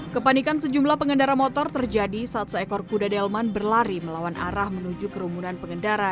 kepanikan sejumlah pengendara motor terjadi saat seekor kuda delman berlari melawan arah menuju kerumunan pengendara